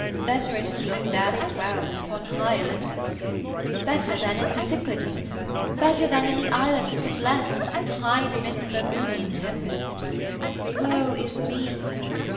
Better it had been there to dwell than upon high Olympus: better than in the Cyclades: better than in the Islands of the Blest that hide amid the Bermoothean tempest. Woe is me!'